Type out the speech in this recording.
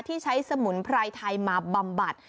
ที่ใช้สมุนไพรไทยมาบำบัด